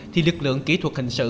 thì lực lượng kỹ thuật hình sự